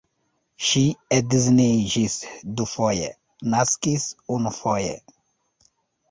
Ŝi edziniĝis dufoje, naskis unufoje.